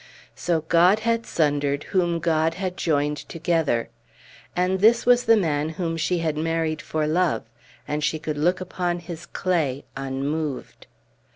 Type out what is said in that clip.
So God had sundered whom God had joined together! And this was the man whom she had married for love; and she could look upon his clay unmoved!